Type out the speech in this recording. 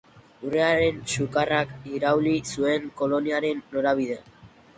Urrearen sukarrak irauli zuen koloniaren norabidea.